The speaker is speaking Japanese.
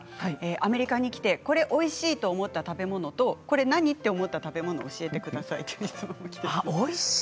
アメリカに来てこれおいしいと思った食べ物とこれ何？と思った食べ物を教えてくださいという質問がきています。